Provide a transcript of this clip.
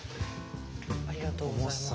ありがとうございます。